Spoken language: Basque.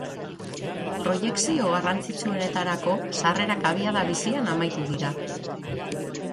Proiekzio garrantzitsuenetarako sarrerak abiada bizian amaitu dira.